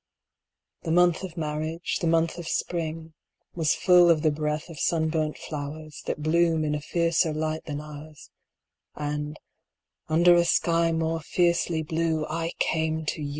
The month of marriage, the month of spring, Was full of the breath of sunburnt flowers That bloom in a fiercer light than ours, And, under a sky more fiercely blue, I came to you!